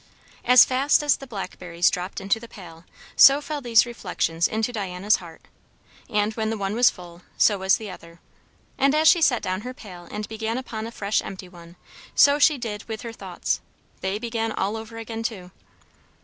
As fast as the blackberries dropped into the pail, so fell these reflections into Diana's heart; and when the one was full, so was the other. And as she set down her pail and began upon a fresh empty one, so she did with her thoughts; they began all over again too.